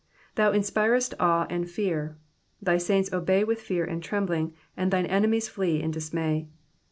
'''' Thou inspirest awe and fear. Thy saints obey with fear and trembling, and thine enemies flee in dis may.